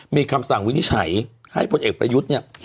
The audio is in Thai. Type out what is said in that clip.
มีคำสั่งวินิจฉัยให้พลเอกประยุทธ์เนี่ย